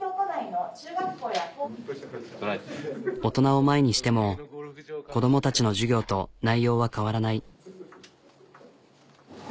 大人を前にしても子どもたちの授業と内容は変わらない。